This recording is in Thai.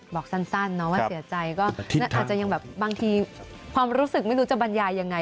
บอกสั้นนะว่าเสียใจก็อาจจะยังแบบบางทีความรู้สึกไม่รู้จะบรรยายยังไง